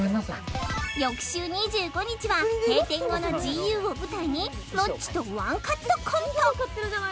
翌週２５日は閉店後の ＧＵ を舞台にロッチとワンカットコント